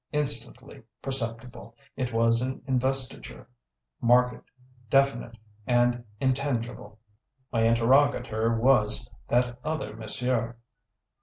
Instantly perceptible, it was an investiture; marked, definite and intangible. My interrogator was "that other monsieur."